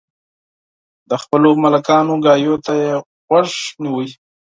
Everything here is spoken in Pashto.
د خپلو ملکانو خبرو ته یې غوږ نیوی.